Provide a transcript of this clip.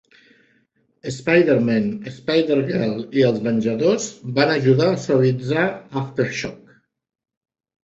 Spider-Man, Spider-Girl i els Venjadors van ajudar a suavitzar Aftershock.